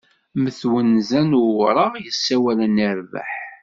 Mm twenza n ureɣ, yessawalen i rbeḥ.